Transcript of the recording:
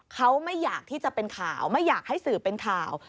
เขาไม่อยากที่จะเป็นข่าวไม่อยากให้สื่อเป็นข่าว